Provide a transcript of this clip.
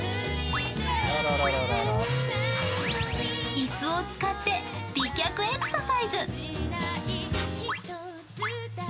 椅子を使って美脚エクササイズ。